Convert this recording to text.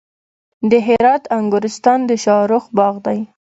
د هرات انګورستان د شاهرخ باغ دی